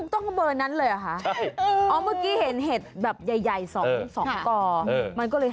ต้องเบอร์นั้นเลยเหรอคะอ๋อเมื่อกี้เห็นเห็ดแบบใหญ่๒ก่อมันก็เลย